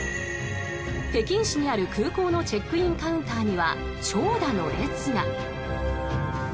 北京市にある空港のチェックインカウンターには長蛇の列が。